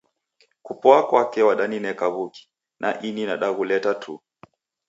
Kupoa kwake udanineka w'uki, na ini naghuleta tu.